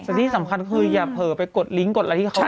แต่ที่สำคัญคืออย่าเผลอไปกดลิงกดอะไรที่เขา